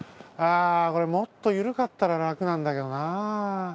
ああこれもっとゆるかったららくなんだけどな。